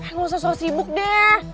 nggak usah soal sibuk deh